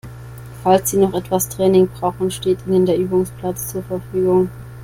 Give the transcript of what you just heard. Falls Sie noch etwas Training brauchen, steht Ihnen der Übungsplatz zur Verfügung.